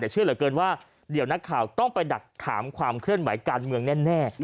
แต่เชื่อเหลือเกินว่าเดี๋ยวนักข่าวต้องไปดักถามความเคลื่อนไหวการเมืองแน่